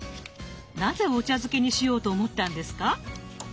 なぜお茶漬けにしようと思ったんですか？